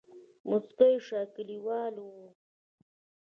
موسکۍ شوه کليوال وو.